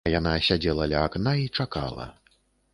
А яна сядзела ля акна і чакала.